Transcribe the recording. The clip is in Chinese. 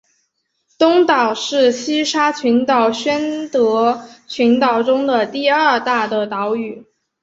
东岛是西沙群岛宣德群岛中的第二大的岛屿。